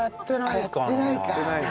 やってないか。